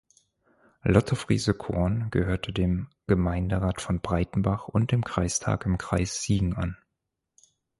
Lotte Friese-Korn gehörte dem Gemeinderat von Breitenbach und dem Kreistag im Kreis Siegen an.